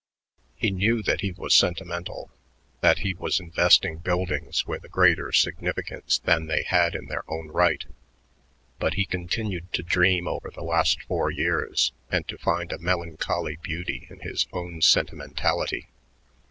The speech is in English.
He knew that he was sentimental, that he was investing buildings with a greater significance than they had in their own right, but he continued to dream over the last four years and to find a melancholy beauty in his own sentimentality.